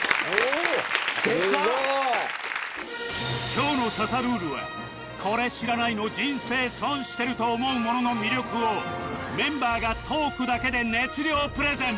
今日の『刺さルール！』はこれ知らないの人生損してると思うものの魅力をメンバーがトークだけで熱量プレゼン